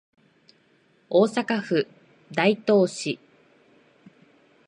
大阪府大東市